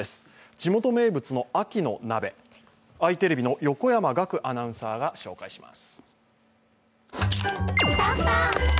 地元名物の秋の鍋、あいテレビの横山岳アナウンサーが紹介します。